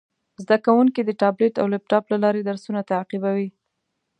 زده کوونکي د ټابلیټ او لپټاپ له لارې درسونه تعقیبوي.